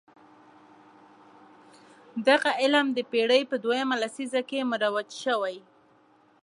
دغه علم د پېړۍ په دویمه لسیزه کې مروج شوی.